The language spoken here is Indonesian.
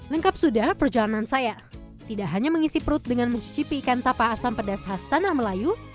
lengkap sudah perjalanan saya tidak hanya mengisi perut dengan mencicipi ikan tapa asam pedas khas tanah melayu